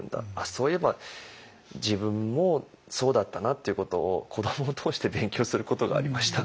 そういえば自分もそうだったなっていうことを子どもを通して勉強することがありました。